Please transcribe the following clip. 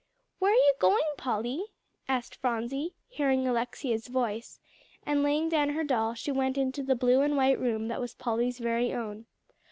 "Where are you going, Polly?" asked Phronsie, hearing Alexia's voice; and laying down her doll, she went into the blue and white room that was Polly's very own.